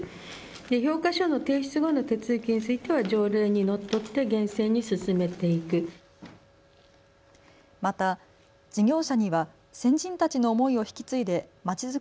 評価書の提出後の手続きについては条例にとのっとって厳正に進めていく。